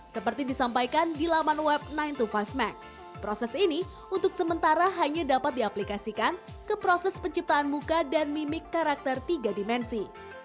seperti disampaikan di laman web sembilan to lima proses ini untuk sementara hanya dapat diaplikasikan ke proses penciptaan muka dan mimik karakter tiga dimensi